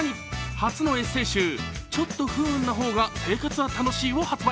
初のエッセー集、「ちょっと不運なほうが生活は楽しい」を発売。